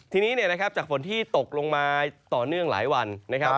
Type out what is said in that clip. ทีนี้จากฝนที่ตกลงมาต่อเนื่องหลายวันนะครับ